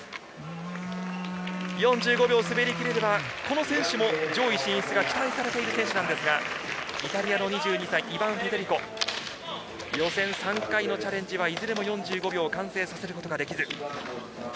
４５秒滑り切れればこの選手も上位が期待される選手でしたが、イタリアのイバン・フェデリコ。予選３回のチャレンジはいずれも４５秒完走させることができず。